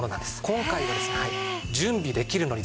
今回は準備できるのにですね